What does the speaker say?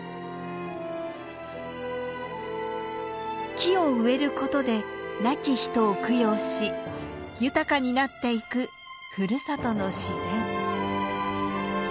木を植えることで亡き人を供養し豊かになっていくふるさとの自然。